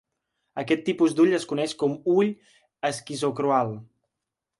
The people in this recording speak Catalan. Aquest tipus d'ull es coneix com a ull esquizocroal.